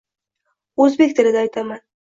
Oʻzbek tilida aytaman.